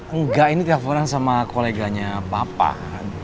engga ini teleponan sama koleganya bapak